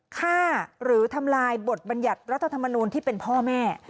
ฆ่าหรือทำลายบทบรรยัติรัฐธรรมนูลที่เป็นพ่อแม่